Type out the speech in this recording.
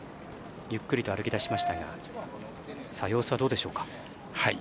ゆっくりと歩き出しましたが様子はどうでしょうか。